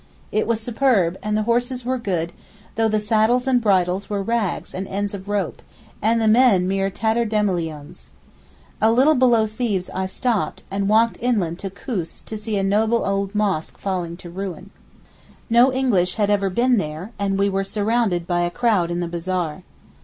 It was superb, and the horses were good, though the saddles and bridles were rags and ends of rope, and the men mere tatterdemalions. A little below Thebes I stopped, and walked inland to Koos to see a noble old mosque falling to ruin. No English had ever been there and we were surrounded by a crowd in the bazaar.